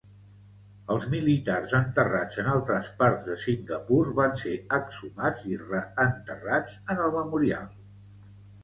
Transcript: Els militars enterrats en altres parts de Singapur van ser exhumats i reenterrats en el memorial.